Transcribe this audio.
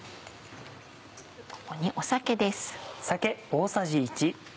ここに酒です。